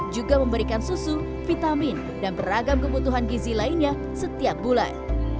juga memberikan susu vitamin dan beragam kebutuhan gizi lainnya setiap bulan